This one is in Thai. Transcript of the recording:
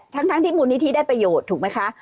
ทั้งที่มูลนิธิได้ประโยชน์ถูกไหมคะ